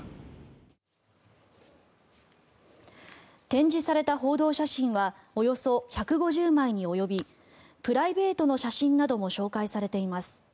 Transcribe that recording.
展示された報道写真はおよそ１５０枚に及びプライベートの写真なども紹介されています。